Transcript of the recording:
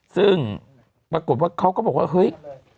ซึ่งปรากฏว่าเขาก็บอกว่าเฮ้ย